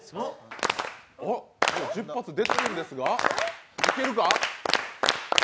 １０発出てるんですがいけるか！？